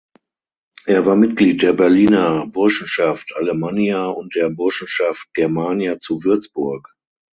Er war Mitglied der Berliner Burschenschaft Allemannia und der Burschenschaft Germania zu Würzburg.